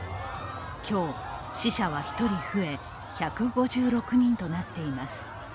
今日、死者は１人増え、１５６人となっています。